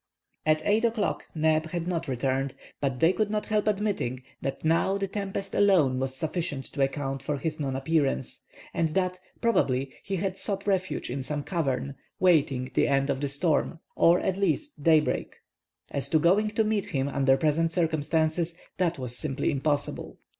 At 8 o'clock Neb had not returned; but they could not help admitting that now the tempest alone was sufficient to account for his non appearance, and that, probably, he had sought refuge in some cavern, waiting the end of the storm, or, at least, daybreak. As to going to meet him under present circumstances, that was simply impossible.